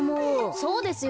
そうですよ。